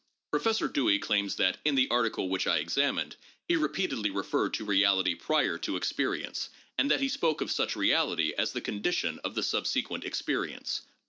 Professor Dewey claims that, in the article which I examined, he repeatedly referred to reality prior to experience, and that he spoke of such reality as the condition of the subsequent experience.